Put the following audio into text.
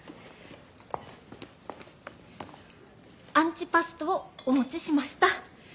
アンチパストをお持ちしました。